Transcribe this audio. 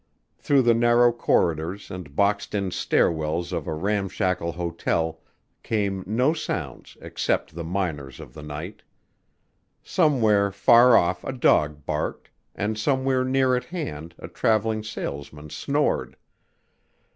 Through the narrow corridors and boxed in stair wells of a ramshackle hotel, came no sounds except the minors of the night. Somewhere far off a dog barked and somewhere near at hand a traveling salesman snored.